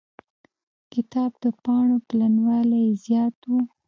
کتاب د پاڼو پلنوالی يې زيات و.